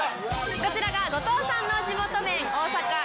こちらが後藤さんの地元麺。